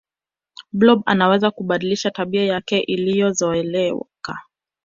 blob anaweza kubadilisha tabia yake iliyozoeleka